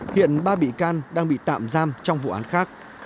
hiện ba bị can đang bị tạm giam trong vụ án khác